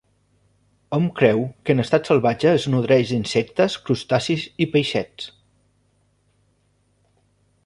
Hom creu que en estat salvatge es nodreix d'insectes, crustacis i peixets.